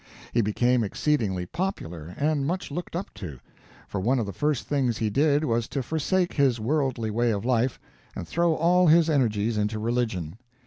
He became exceedingly popular, and much looked up to; for one of the first things he did was to forsake his worldly way of life, and throw all his energies into religion.